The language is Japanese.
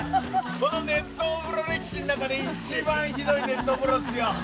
この熱湯風呂歴史の中で、一番ひどい熱湯風呂っすよ。